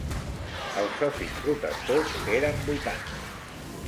Els socis protectors eren vuitanta.